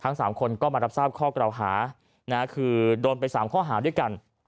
ทั้งสามคนมารับทราบข้อกระวหาคือโดนไปสามข้อหาด้วยกัน